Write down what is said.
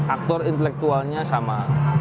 aktor intelektualnya sama